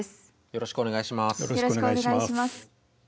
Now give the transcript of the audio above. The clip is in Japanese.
よろしくお願いします。